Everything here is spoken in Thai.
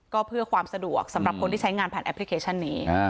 ก็เพื่อความสะดวกสำหรับคนที่ใช้งานผ่านแอปพลิเคชันนี้